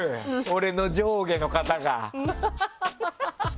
俺の上下の方が。